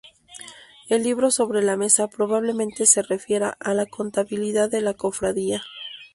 El libro sobre la mesa probablemente se refiera a la contabilidad de la cofradía.